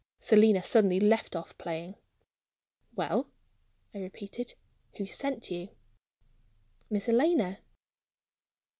Selina suddenly left off playing. "Well," I repeated, "who sent you?" "Miss Helena."